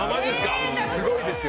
すごいですよ。